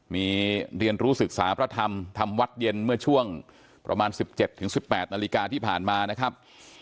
มีเรียนรู้ศึกษาพระธรรมทำวัดเย็นเมื่อช่วงประมาณ๑๗๑๘นาฬิกาที่ผ่านมานะครับ